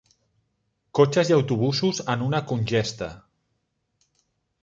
Cotxes i autobusos en una congesta.